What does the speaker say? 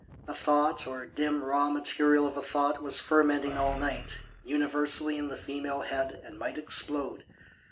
A thought, or dim raw material of a thought, was fermenting all night, universally in the female head, and might explode.